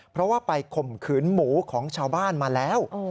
เพราะว่าไปข่มขืนหมูของชาวบ้านมาแล้ว